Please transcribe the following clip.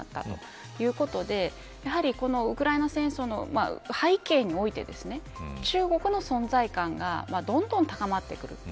ということでやはりウクライナ戦争の背景において中国の存在感がどんどん高まってくる。